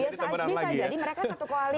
biasa bisa jadi mereka satu koalisi